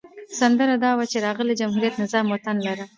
سندره دا وه چې راغی جمهوري نظام وطن لره.